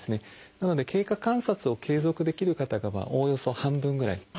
なので経過観察を継続できる方がおおよそ半分ぐらい。